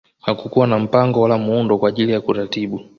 Hakukuwa na mpango wala muundo kwa ajili ya kuratibu